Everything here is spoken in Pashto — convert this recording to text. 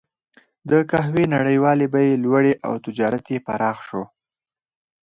د قهوې نړیوالې بیې لوړې او تجارت یې پراخ شو.